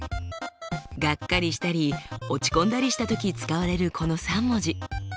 がっかりしたり落ち込んだりした時使われるこの３文字。